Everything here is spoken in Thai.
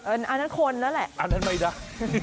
อันนั้นคนแล้วแหละอันนั้นไม่ได้